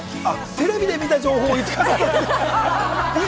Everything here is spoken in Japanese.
テレビで見た情報を。